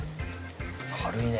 軽いね。